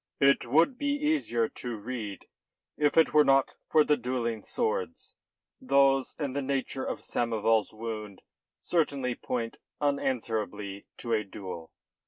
"It would be easier to read if it were not for the duelling swords. Those and the nature of Samoval's wound certainly point unanswerably to a duel.